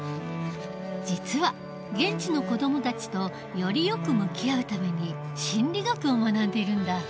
実は現地の子どもたちとよりよく向き合うために心理学を学んでいるんだ。